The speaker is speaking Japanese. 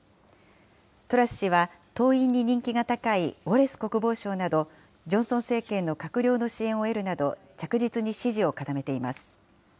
トラス氏は党員に人気が高いウォレス国防相など、ジョンソン政権の閣僚の支援を得るなど、着実に支持を固めています。